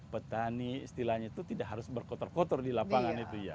petani istilahnya itu tidak harus berkotor kotor di lapangan itu ya